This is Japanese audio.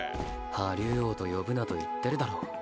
破竜王と呼ぶなと言ってるだろう